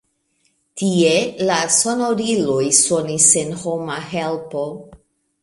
Tie la sonoriloj sonis sen homa helpo.